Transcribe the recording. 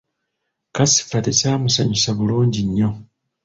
Kasifa tekyamusanyusa bulungi nnyo.